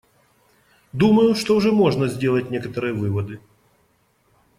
Думаю, что уже можно сделать некоторые выводы.